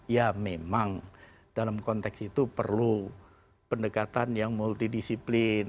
ya memang dalam konteks itu perlu pendekatan yang multidisiplin